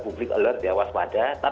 publik alert ya waspada